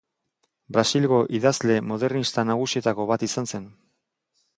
Brasilgo idazle modernista nagusietako bat izan zen.